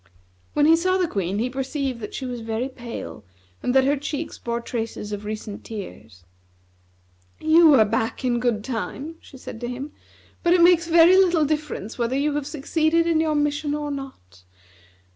When he saw the Queen, he perceived that she was very pale and that her cheeks bore traces of recent tears. "You are back in good time," she said to him, "but it makes very little difference whether you have succeeded in your mission or not.